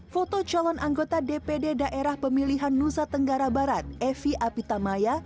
foto calon anggota dpd daerah pemilihan nusa tenggara barat evi apitamaya